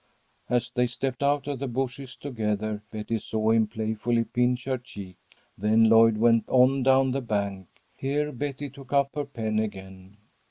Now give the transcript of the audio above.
As they stepped out of the bushes together Betty saw him playfully pinch her cheek. Then Lloyd went on down the bank. Here Betty took up her pen again.